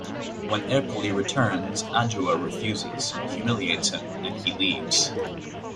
When Ercoli returns, Adua refuses, humiliates him, and he leaves.